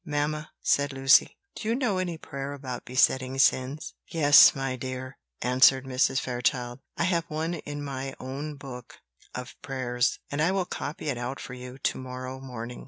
"Mamma," said Lucy, "do you know any prayer about besetting sins?" "Yes, my dear," answered Mrs. Fairchild; "I have one in my own book of prayers; and I will copy it out for you to morrow morning."